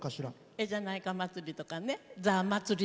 ええじゃないか祭りとかね。